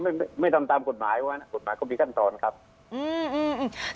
มันไม่ไม่ตามกฎหมายว่ากฎหมายเขามีขั้นตอนครับอืมอืมอืม